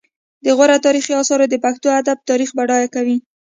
د غور تاریخي اثار د پښتو ادب تاریخ بډایه کوي